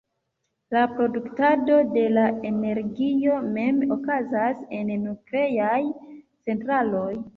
La produktado de la energio mem okazas en nukleaj centraloj.